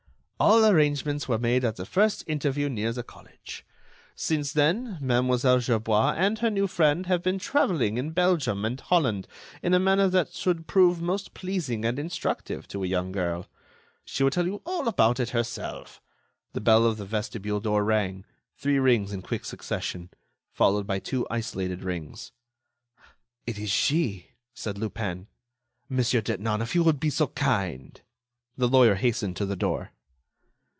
All arrangements were made at the first interview near the college. Since then, Mlle. Gerbois and her new friend have been travelling in Belgium and Holland in a manner that should prove most pleasing and instructive to a young girl. She will tell you all about it herself—" The bell of the vestibule door rang, three rings in quick succession, followed by two isolated rings. "It is she," said Lupin. "Monsieur Detinan, if you will be so kind—" The lawyer hastened to the door.